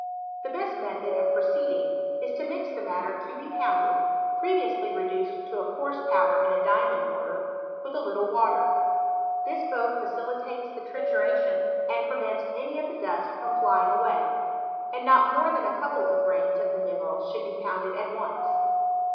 The best method of proceeding; is to mix the matter to be pounded (previously reduced to a coarse pow der in a diamond mortar) with a little water. This both facilitates the trituration, and prevents any of the duBt from flying away; and not more than a couple of grains of the mineral should be pounded al once.